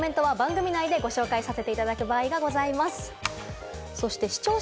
またコメントは番組内でご紹介させていただく場合がございます。